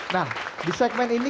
nah di segmen ini